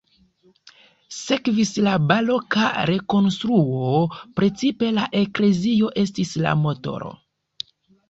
Sekvis la baroka rekonstruo, precipe la eklezio estis la motoro.